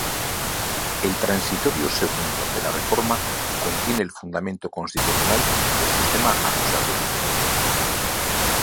El transitorio segundo de la Reforma contiene el fundamento constitucional del sistema acusatorio.